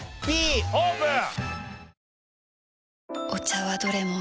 Ｂオープン！